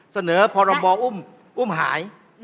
เสนอพรบอุ้มอุ้มหาย